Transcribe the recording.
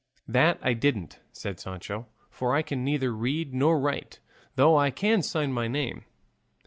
"That I didn't," said Sancho; "for I can neither read nor write, though I can sign my name."